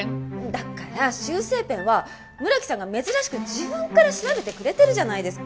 だから修正ペンは村木さんが珍しく自分から調べてくれてるじゃないですか。